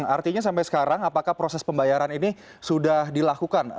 artinya sampai sekarang apakah proses pembayaran ini sudah dilakukan